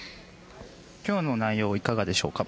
今日の内容いかがでしょうか？